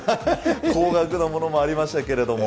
高額のものもありましたけれども。